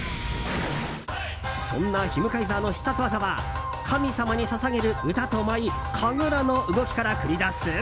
そんなヒムカイザーの必殺技は神様に捧げる歌と舞神楽の動きから繰り出す。